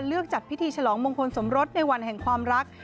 จัดพิธีฉลองมงคลสมรสในวันแห่งความรัก